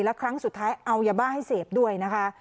แล้วครั้งสุดท้ายเอายาบ้าให้เสพด้วยนะคะ